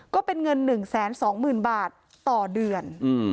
ก็เป็นเงิน๑๒๐๐๐๐บาทต่อเดือน